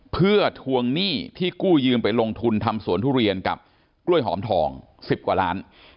เพื่อทวงหนี้ที่กู้ยืมไปลงทุนทำสวนทุเรียนกับกล้วยหอมทอง๑๐กว่าล้าน